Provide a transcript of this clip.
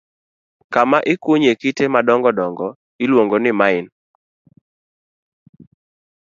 Kama ikunyoe kite madongo dongo iluongo ni mine.